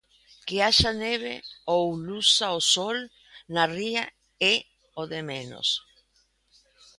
Que haxa neve ou luza o sol na ría, é o de menos.